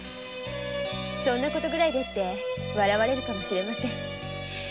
「そんな事ぐらいで」と笑われるかもしれません。